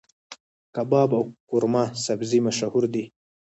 کباب او قورمه سبزي مشهور دي.